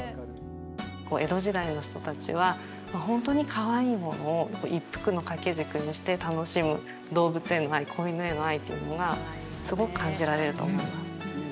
こう江戸時代の人達は本当にかわいいものを一幅の掛け軸にして楽しむ動物への愛子犬への愛っていうのがすごく感じられると思います